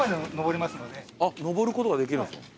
あっ上ることができるんですか。